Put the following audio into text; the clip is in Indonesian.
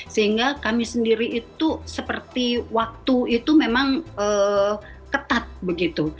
sehingga kami sendiri itu seperti waktu itu memang ketat begitu